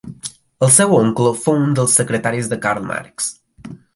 El seu oncle fou un dels secretaris de Karl Marx.